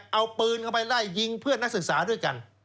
เอาปืนเข้าไปไล่ยิงเพื่อนนักศึกษาด้วยกัน